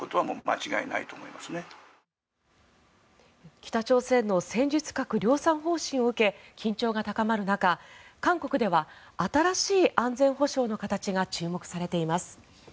北朝鮮の戦術核量産方針を受け緊張が高まる中韓国では新しい安全保障の形が注目されています。